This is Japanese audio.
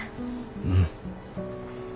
うん。